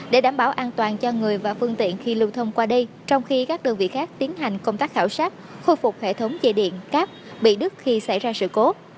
để đảm bảo an toàn cho người và phương tiện khi lưu thông qua đây trong khi các đơn vị khác tiến hành công tác khảo sát khôi phục hệ thống dây điện cáp bị đứt khi xảy ra sự cố